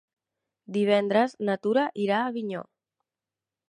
Divendres na Tura irà a Avinyó.